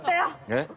えっ？